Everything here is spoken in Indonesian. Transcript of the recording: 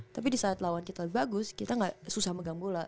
tapi di saat lawan kita lebih bagus kita gak susah megang bola